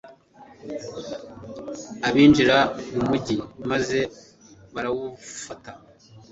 binjira mu mugi maze barawufata